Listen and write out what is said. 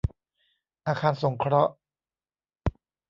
อาคารสงเคราะห์